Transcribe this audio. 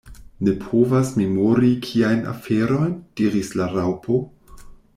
"Ne povas memori kiajn aferojn?" diris la Raŭpo.